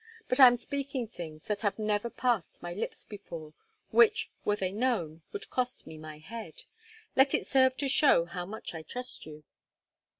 But I am speaking things that have never passed my lips before, which, were they known, would cost me my head—let it serve to show how much I trust you."